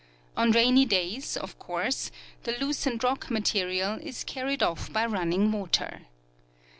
On rainy days, of course, the loosened rock material is carried off by running water.